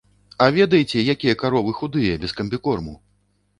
А ведаеце, якія каровы худыя без камбікорму!